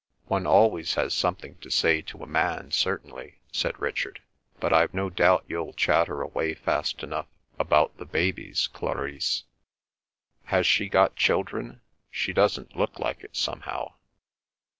"One always has something to say to a man certainly," said Richard. "But I've no doubt you'll chatter away fast enough about the babies, Clarice." "Has she got children? She doesn't look like it somehow."